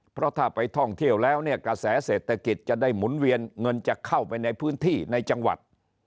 เพราะถ้าไปท่องเที่ยวแล้วเนี่ยกระแสเศรษฐกิจจะได้หมุนเวียนเงินจะเข้าไปในพื้นที่ในจังหวัด